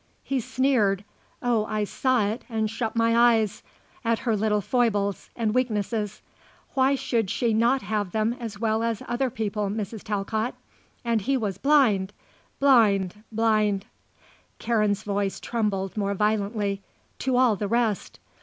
He sneered oh, I saw it, and shut my eyes at her little foibles and weaknesses; why should she not have them as well as other people, Mrs. Talcott? And he was blind blind blind," Karen's voice trembled more violently, "to all the rest.